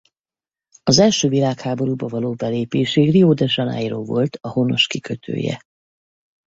Az első világháborúba való belépésig Rio de Janeiró volt a honos kikötője.